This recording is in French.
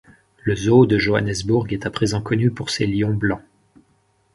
Le zoo de Johannesburg est à présent connu pour ses lions blancs.